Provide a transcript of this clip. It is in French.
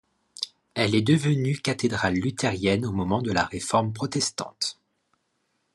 Elle est devenue cathédrale luthérienne au moment de la Réforme protestante.